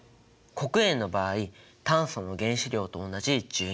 黒鉛の場合炭素の原子量と同じ１２。